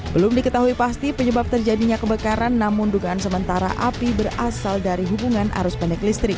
belum diketahui pasti penyebab terjadinya kebakaran namun dugaan sementara api berasal dari hubungan arus pendek listrik